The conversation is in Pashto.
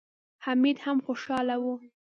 حميد هم خوشاله و.